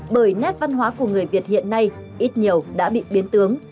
bởi nét văn hóa của người việt hiện nay ít nhiều đã bị biến tướng